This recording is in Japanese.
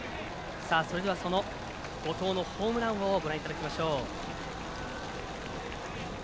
それではその後藤のホームランをご覧いただきましょう。